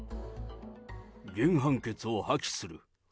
原判決を破棄する。